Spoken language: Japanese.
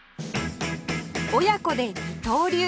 親子で二刀流